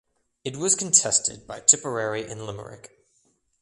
It was contested by Tipperary and Limerick.